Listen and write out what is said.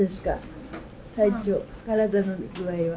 体の具合は。